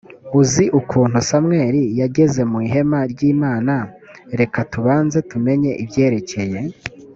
uzi ukuntu samweli yageze mu ihema ry imana reka tubanze tumenye ibyerekeye